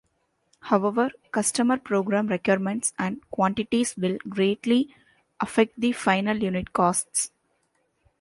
However customer program requirements and quantities will greatly affect the final unit costs.